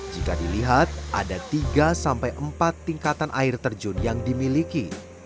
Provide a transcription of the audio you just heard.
jika dilihat ada tiga sampai empat tingkatan air terjun yang dimiliki